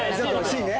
Ｃね。